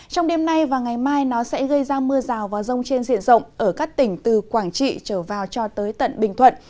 trong đêm nay và ngày mai nó sẽ gây ra mưa rào và rông trên diện rộng ở các tỉnh từ quảng trị trở vào cho tới tận bình thuận